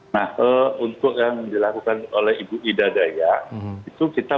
nah untuk yang dilakukan oleh ibu ida dayak